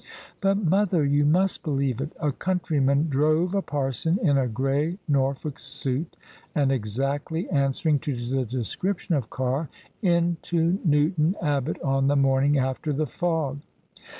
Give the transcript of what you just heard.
" But, mother, you must believe it. A countryman drove a parson in a grey Norfolk suit, and exactly answering to the description of Carr, into Newton Abbot on the morning after the fog."